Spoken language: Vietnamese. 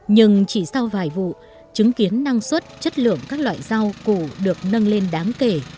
nhưng chỉ sau vài vụ chứng kiến năng suất chất lượng các loại rau củ được nâng lên đáng kể